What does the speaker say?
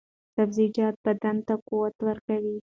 سبزیجات بدن ته قوت ورکوي.